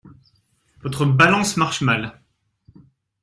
Votre balance marche mal.